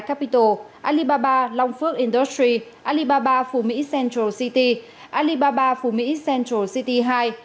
capital alibaba long phước industry alibaba phủ mỹ central city alibaba phủ mỹ central city ii